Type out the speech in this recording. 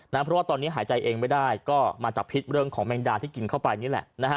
เพราะว่าตอนนี้หายใจเองไม่ได้ก็มาจับพิษเรื่องของแมงดาที่กินเข้าไปนี่แหละ